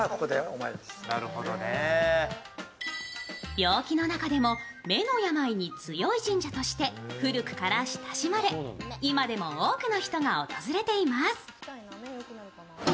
病気の中でも目の病に強い神社として古くから親しまれ、今でも多くの人が訪れています。